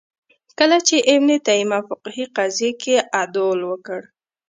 کله چې ابن تیمیه فقهې قضیې کې عدول وکړ